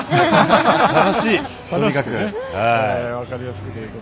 楽しい、とにかく。